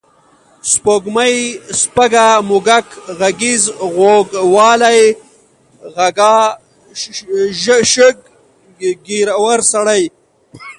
سپوږمۍ، سپږه، موږک، غږیز، غوږ والۍ، خَږا، شَږ، ږېرور سړی